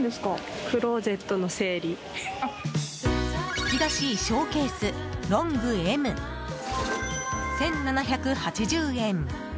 引き出し衣装ケースロングＭ１７８０円。